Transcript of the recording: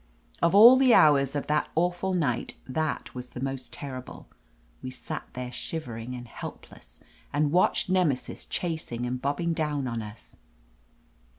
Of all the hours of that awful night, that was the most terrible. We sat there shivering and helpless and watched Nemesis chasing and bobbing down on us.